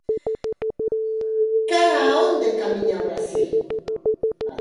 Cara a onde camiña o Brasil?